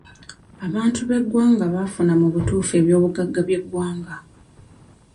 Abantu b'eggwanga bafuna mu butuufu eby'obugagga by'eggwanga.